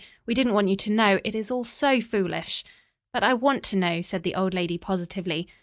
We didn't want you to know. It is all so foolish." "But I want to know," said the old lady positively.